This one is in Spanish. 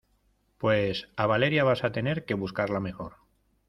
pues a Valeria vas a tener que buscarla mejor